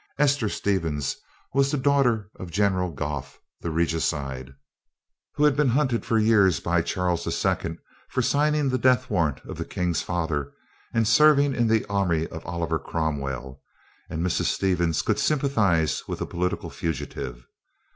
Ester Stevens was the daughter of General Goffe, the regicide, who had been hunted for years by Charles II. for signing the death warrant of the king's father and serving in the army of Oliver Cromwell, and Mrs. Stevens could sympathize with a political fugitive.